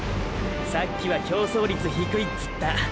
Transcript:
さっきは競争率低いつった。